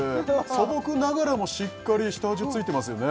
「素朴ながらもしっかり下味ついてますよね」